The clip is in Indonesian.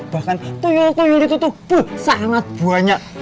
bahkan tuyul tuyul itu tuh tuh sangat banyak